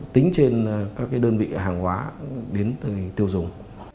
tính trên các đơn vị hàng hóa đến từ tiêu dùng